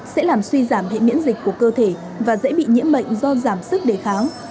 sẽ làm suy giảm hệ miễn dịch của cơ thể và dễ bị nhiễm bệnh do giảm sức đề kháng